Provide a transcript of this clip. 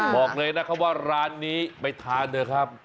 บอกเลยนะครับว่าร้านนี้ไปทานเถอะครับ